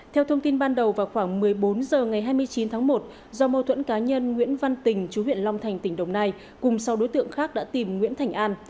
theo thông tin ban đầu vào khoảng một mươi bốn h ngày hai mươi chín tháng một do mâu thuẫn cá nhân nguyễn văn tình chú huyện long thành tỉnh đồng nai cùng sau đối tượng khác đã tìm nguyễn thành an